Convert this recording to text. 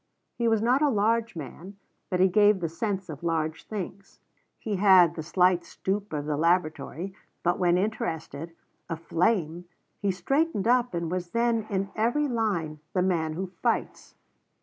He was not a large man, but he gave the sense of large things. He had the slight stoop of the laboratory, but when interested, aflame, he straightened up and was then in every line the man who fights.